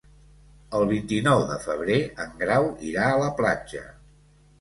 El vint-i-nou de febrer en Grau irà a la platja.